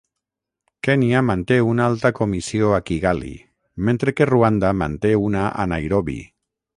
Kenya manté una alta comissió a Kigali, mentre que Ruanda manté una a Nairobi.